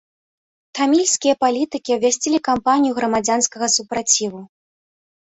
Тамільскія палітыкі абвясцілі кампанію грамадзянскага супраціву.